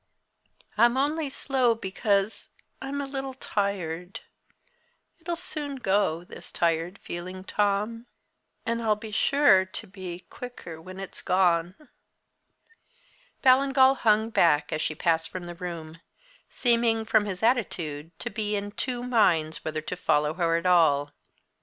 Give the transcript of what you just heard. I'm only slow because I'm a little tired. It'll soon go, this tired feeling, Tom and I'll be sure to be quicker when it's gone." Ballingall hung back as she passed from the room, seeming, from his attitude, to be in two minds whether to follow her at all.